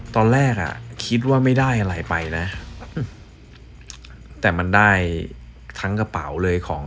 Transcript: ตอนแรกอ่ะคิดว่าไม่ได้อะไรไปนะแต่มันได้ทั้งกระเป๋าเลยของ